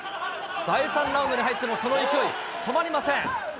第３ラウンドに入ってもその勢い、止まりません。